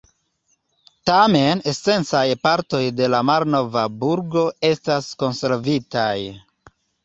Tamen esencaj partoj de la malnova burgo estas konservitaj.